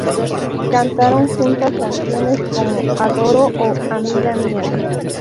Cantaron juntas canciones como "Adoro" o "Amiga mia".